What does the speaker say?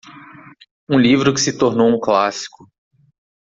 um livro que se tornou um clássico.